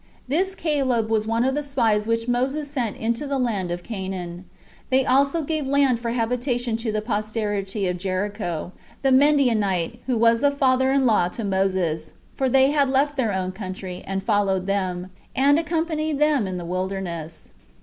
This Caleb was one of the spies which Moses sent into the land of Canaan. They also gave land for habitation to the posterity of Jethro, the Midianite, who was the father in law to Moses; for they had left their own country, and followed them, and accompanied them in the wilderness.